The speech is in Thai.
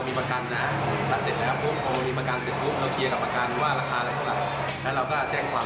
อันนี้มันโชว์เสร็จปุ๊บมันจะขวางล่องน้ำเลยถ้าเรือจอถึงเนี่ยมันจะปิดการจราจรทั้งหมดเลยใช่ครับ